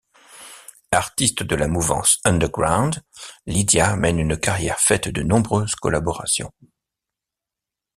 Artiste de la mouvance underground, Lydia mène une carrière faite de nombreuses collaborations.